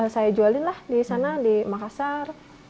saya jualin lah di sana di makassar